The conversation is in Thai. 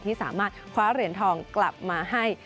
ที่สามารถคว้าเหรียญทองกลับมาให้